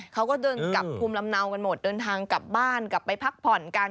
เขาก็เดินกลับภูมิลำเนากันหมดเดินทางกลับบ้านกลับไปพักผ่อนกัน